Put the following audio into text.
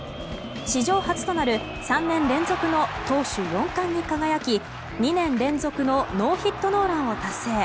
史上初となる３年連続の投手４冠に輝き２年連続のノーヒットノーランを達成。